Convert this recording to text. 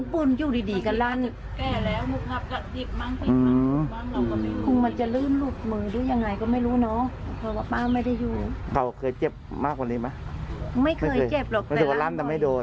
ปืนอยู่ดีกันรั้น